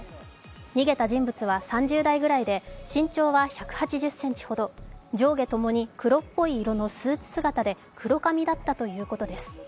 逃げた人物は３０代くらいで身長は１８０ｃｍほど、上下ともに黒っぽい色のスーツ姿で黒髪だったということです。